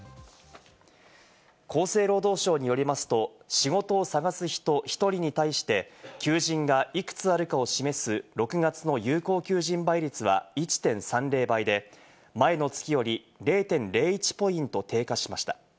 厚生労働省によりますと、仕事を探す人１人に対して求人がいくつあるかを示す、６月の有効求人倍率は１．３０倍で、前の月より０．０１ポイント低下しました。